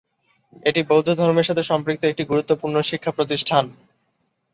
এটি বৌদ্ধ ধর্মের সাথে সম্পৃক্ত একটি গুরুত্বপূর্ণ শিক্ষাপ্রতিষ্ঠান।